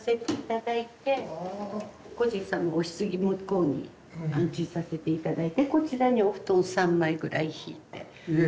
故人様おひつぎ向こうに安置させて頂いてこちらにお布団３枚ぐらい敷いて。